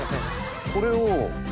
これを。